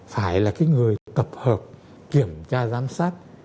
phải là cái người tập hợp kiểm tra giám sát